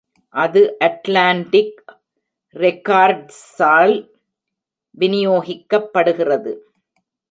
அது அட்லான்டிக் ரெக்கார்ட்ஸால் வினியோகிக்கப்படுகிறது.